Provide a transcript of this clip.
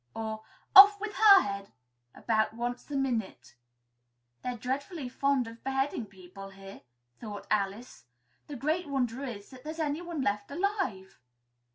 or "Off with her head!" about once in a minute. "They're dreadfully fond of beheading people here," thought Alice; "the great wonder is that there's anyone left alive!"